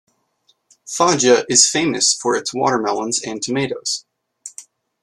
Foggia is famous for its watermelons and tomatoes.